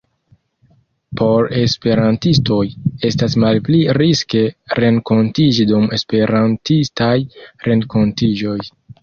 Por Esperantistoj, estas malpli riske renkontiĝi dum Esperantistaj renkontiĝoj.